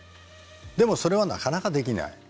でもそれはなかなかできない。